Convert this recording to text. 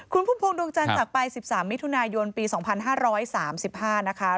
คุณพุ่มพวงดวงจันทร์จากไป๑๓มิถุนายนปี๒๕๓๕นะคะ